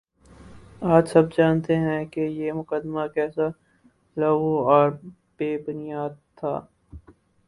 آج سب جانتے ہیں کہ یہ مقدمہ کیسا لغو اور بے بنیادتھا